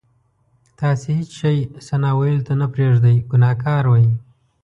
تاسې هېڅ شی ثنا ویلو ته نه پرېږدئ ګناهګار وئ.